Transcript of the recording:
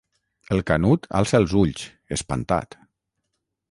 El Canut alça els ulls, espantat.